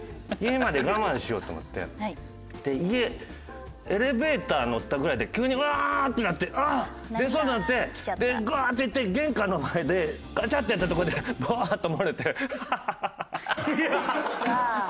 家近いから家エレベーター乗ったぐらいで急にうわー！ってなってあっ出そうになってガーッて行って玄関の前でガチャッてやったとこでブワーッと漏れて。